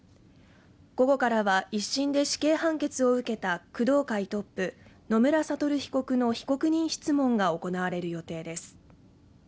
午後からは１審で死刑判決を受けた工藤会トップ野村悟被告の被告人質問が行われる予定です